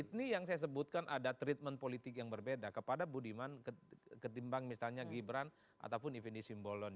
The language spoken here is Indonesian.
ini yang saya sebutkan ada treatment politik yang berbeda kepada budiman ketimbang misalnya gibran ataupun effendi simbolon